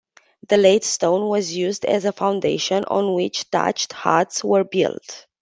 The latte-stone was used as a foundation on which thatched huts were built.